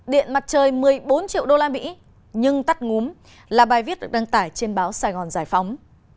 điện mặt trời một mươi bốn triệu usd nhưng tắt ngúm là bài viết được đăng tải trên báo sài gòn giải phóng